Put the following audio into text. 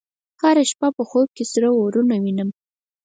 هره شپه په خوب کې سره اورونه وینم